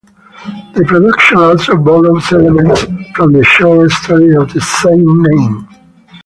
The production also borrows elements from the short stories of the same name.